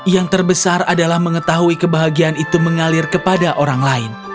yang terbesar adalah mengetahui kebahagiaan itu mengalir kepada orang lain